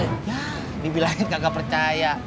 ini bilangnya kagak percaya